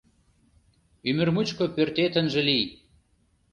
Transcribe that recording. Ӱмыр мучко пӧртет ынже лий!